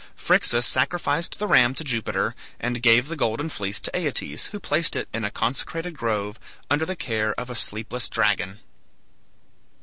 Phryxus sacrificed the ram to Jupiter, and gave the Golden Fleece to Aeetes, who placed it in a consecrated grove, under the care of a sleepless dragon.